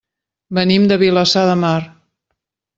Venim de Vilassar de Mar.